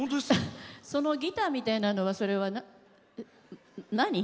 そのギターみたいなのはそれは何？